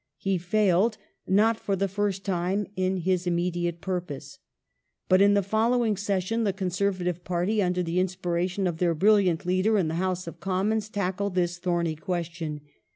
He failed, not for the first time, in his immediate purpose. But in the following session the Conservative party, under the inspiration of their bril liant leader in the House of Commons, tackled this thorny question.